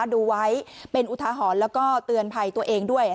ดูไว้เป็นอุทาหรณ์แล้วก็เตือนภัยตัวเองด้วย